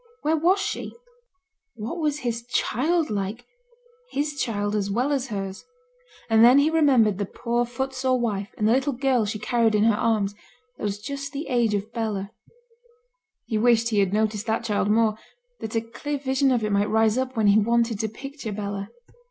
Where was she? What was his child like his child as well as hers? And then he remembered the poor footsore wife and the little girl she carried in her arms, that was just the age of Bella; he wished he had noticed that child more, that a clear vision of it might rise up when he wanted to picture Bella.